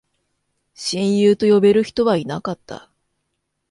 親友と呼べる人はいなかった